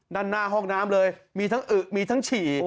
ด้านหน้าห้องน้ำเลยมีทั้งอึมีทั้งฉี่